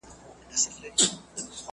ساقي د محتسب او د شیخانو له شامته.